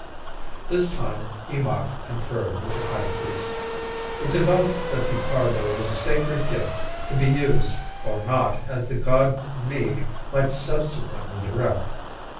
This time, Eemakh conferred with the high priest. It developed that the cargo was a sacred gift to be used or not as the god Meeg might subsequently direct.